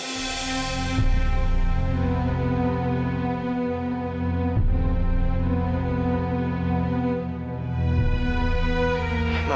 tante aku mau ke rumah